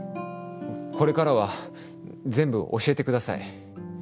これからは全部教えてください。